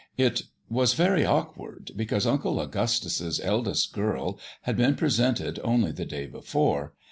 It was very awkward, because Uncle Augustus's eldest girl had been presented only the day before.